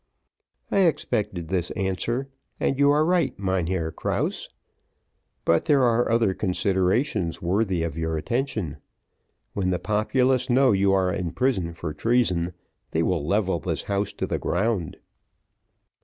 "I expected this answer; and you are right, Mynheer Krause; but there are other considerations worthy of your attention. When the populace know you are in prison for treason, they will level this house to the ground."